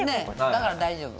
だから大丈夫。